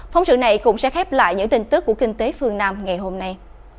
phóng sự này cũng sẽ khép lại những tin tức của kinh tế phương nam ngày hôm nay